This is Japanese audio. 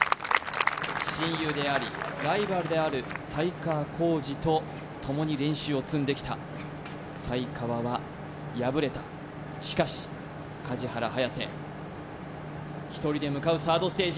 親友でありライバルである才川コージとともに練習を積んできた才川は敗れたしかし梶原颯１人で向かうサードステージ